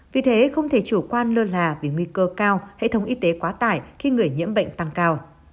vì thế không thể chủ quan lơ là vì nguy cơ cao hệ thống y tế quá tải khi người nhiễm bệnh tăng cao